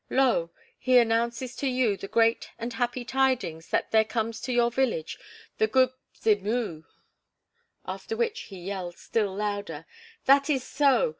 Lo, he announces to you the great and happy tidings that there comes to your village the 'Good Mzimu.'" After which he yelled still louder: "That is so!